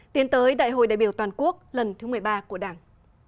tiến tới đại hội đại biểu toàn quốc lần thứ một mươi ba của đảng